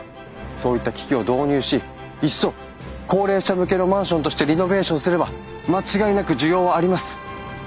そういった機器を導入しいっそ高齢者向けのマンションとしてリノベーションすれば間違いなく需要はあります。